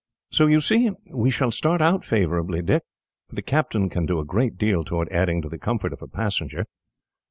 "So you see, we shall start favourably, Dick; for the captain can do a great deal towards adding to the comfort of a passenger.